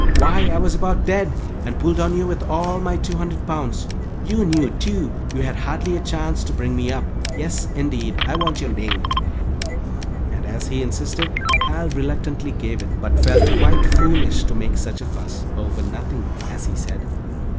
Why, I was about dead, and pulled on you with all my two hundred pounds. You knew, too, you had hardly a chance to bring me up. Yes, indeed, I want your name," and as he insisted, Hal reluctantly gave it, but felt quite foolish to make such a fuss "over nothing," as he said.